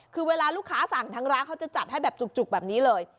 คือเวลาลูกค้าสั่งทางร้านเขาจะจัดให้แบบจุกแบบนี้เลย